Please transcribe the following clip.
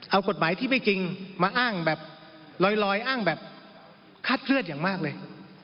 เอากฎหมายที่ไม่จริงมาอ้างแบบลอยอ้างแบบคาดเคลื่อนอย่างมากเลย